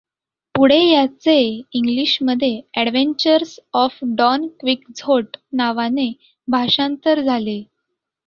पुढे याचे ईंग्लिशमध्ये ऍड्व्हेन्चर्स ऑफ डॉन क्विक्झोट नावाने भाषांतर झाले.